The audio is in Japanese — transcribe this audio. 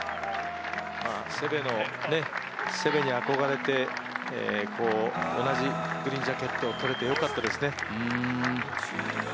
セベに憧れて、同じグリーンジャケットをとれてよかったですね。